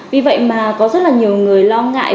vì vậy mà có rất là nhiều người lo ngại